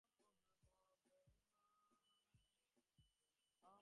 কিন্তু, ছেলেদের আবদারও তো এড়াতে পারি নে।